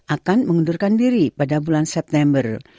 akan mengundurkan diri pada bulan september